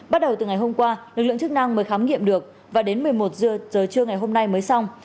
bắt đầu từ ngày hôm qua lực lượng chức năng mới khám nghiệm được và đến một mươi một h trưa ngày hôm nay mới xong